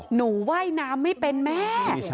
หนูว่ายน้ำไม่เป็นแม่